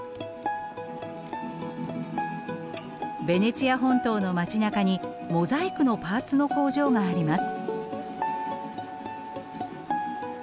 ベネチア本島の街なかにモザイクのパーツの工場があります。